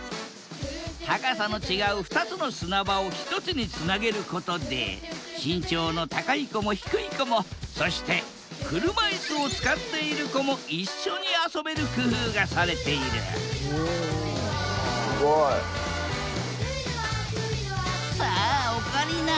高さの違う２つの砂場を１つにつなげることで身長の高い子も低い子もそして車いすを使っている子も一緒に遊べる工夫がされているさあオカリナ